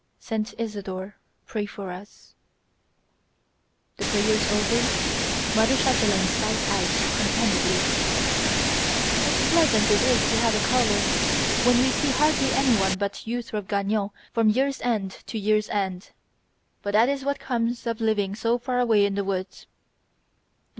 "St. Isidore, pray for us..." The prayers over, mother Chapdelaine sighed out contentedly: "How pleasant it is to have a caller, when we see hardly anyone but Eutrope Gagnon from year's end to year's end. But that is what comes of living so far away in the woods